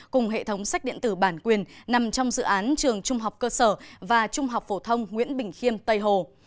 cùng hệ thống sách điện tử bản quyền nằm trong dự án trường trung học cơ sở và trung học phổ thông nguyễn bình khiêm tây hồ